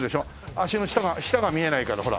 足の下が見えないからほら。